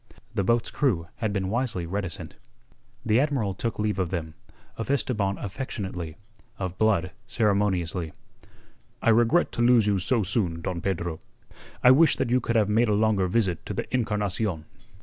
The boat's crew had been wisely reticent. The Admiral took leave of them of Esteban affectionately, of Blood ceremoniously. "I regret to lose you so soon, Don Pedro. I wish that you could have made a longer visit to the Encarnacion."